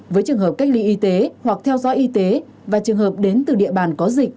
với trường hợp cách ly y tế hoặc theo dõi y tế và trường hợp đến từ địa bàn có dịch